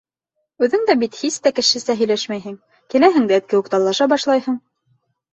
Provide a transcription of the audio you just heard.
Үҙең дә бит һис тә кешесә һөйләшмәйһең, киләһең дә эт кеүек талаша башлайһың...